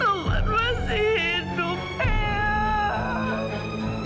tuhan masih hidup peah